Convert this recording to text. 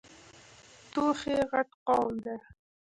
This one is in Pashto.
توخی غټ قوم ده.